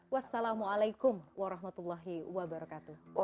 wassalamualaikum warahmatullahi wabarakatuh